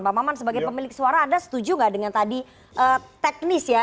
pak maman sebagai pemilik suara anda setuju nggak dengan tadi teknis ya